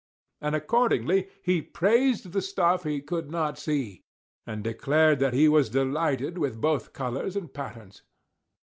And accordingly he praised the stuff he could not see, and declared that he was delighted with both colors and patterns.